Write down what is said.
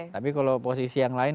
tapi kalau posisi yang lain